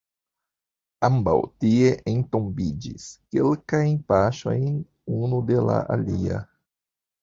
Ambaŭ tie entombiĝis, kelkajn paŝojn unu de la alia.